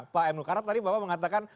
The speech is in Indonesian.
pak emno karena tadi bapak mengatakan